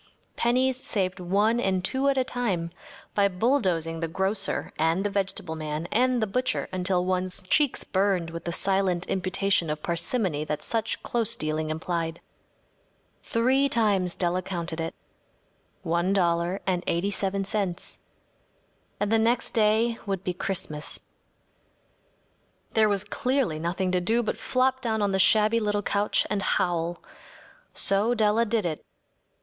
Pennies saved one and two at a time by bulldozing the grocer and the vegetable man and the butcher until one’s cheeks burned with the silent imputation of parsimony that such close dealing implied. Three times Della counted it. One dollar and eighty seven cents. And the next day would be Christmas. There was clearly nothing to do but flop down on the shabby little couch and howl. So Della did it.